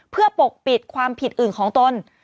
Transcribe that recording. เพื่อปกปิดความผิดอื่นของตน